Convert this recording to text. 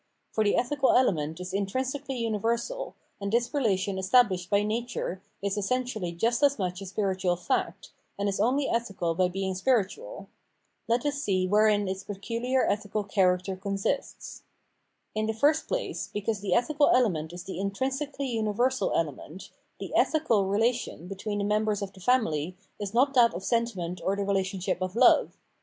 For the ethical element is intrinsically universal, and this relation estabhshed by nature is essentially just as much a spiritual fact, and is only ethical by being spiritual. Let us see wherein its pecuHar ethical char acter consists. In the first place, because the ethical element is the intrinsically universal element, the ethical relation between the members of the family is not that of senti ment or the relationship of love.